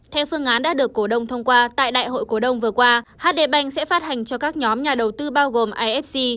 theo phương án đã được cổ đông thông qua tại đại hội cổ đông vừa qua hd bành sẽ phát hành cho các nhóm nhà đầu tư bao gồm ifc